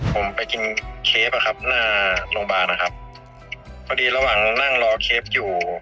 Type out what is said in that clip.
ผมไปกินเคฟอะครับหน้าโรงพยาบาลนะครับพอดีระหว่างนั่งรอเคฟอยู่